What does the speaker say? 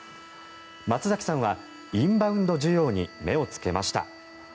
松崎さんはインバウンド需要に目をつけました。